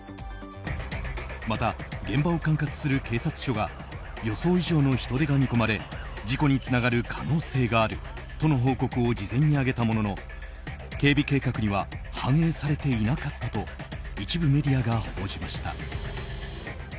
また現場を管轄する警察署が予想以上の人出が見込まれ事故につながる可能性があるとの報告を事前に挙げたものの警備計画には反映されていなかったと一部メディアが報じました。